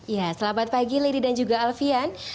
ya selamat pagi liri dan juga alfian